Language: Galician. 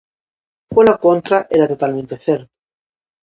Pola contra, era totalmente certo.